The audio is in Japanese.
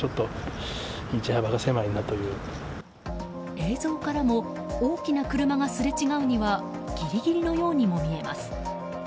映像からも大きな車がすれ違うにはギリギリのようにも見えます。